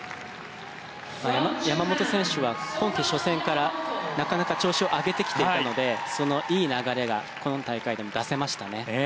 山本選手は今季初戦からなかなか調子を上げていたのでそのいい流れがこの大会でも出せましたね。